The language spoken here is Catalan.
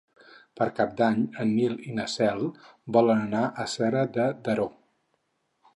Per Cap d'Any en Nil i na Cel volen anar a Serra de Daró.